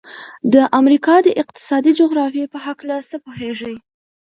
د امریکا د اقتصادي جغرافیې په هلکه څه پوهیږئ؟